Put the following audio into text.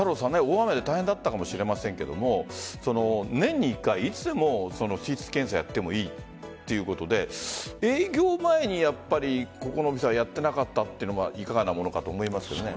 大変だったかもしれませんが年に１回いつでも水質検査をやってもいいということで営業前にここの店をやってなかったというのはいかがなものかと思いますよね。